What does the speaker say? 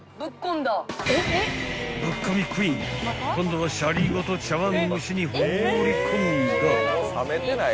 ［今度はシャリごと茶碗蒸しに放り込んだ］